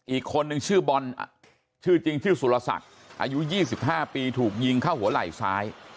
อีกคนนึงชื่อบอลชื่อจริงชื่อสุรศักดิ์อายุ๒๕ปีถูกยิงเข้าหัวไหล่ซ้าย